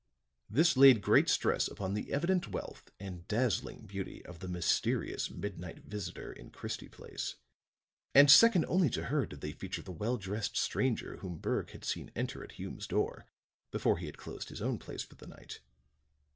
This laid great stress upon the evident wealth and dazzling beauty of the mysterious midnight visitor in Christie Place; and second only to her did they feature the well dressed stranger whom Berg had seen enter at Hume's door before he had closed his own place for the night.